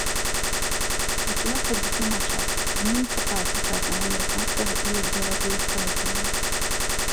У кіно хадзіць няма часу, і мне не хапае сучаснага амерыканскага і еўрапейскага кіно.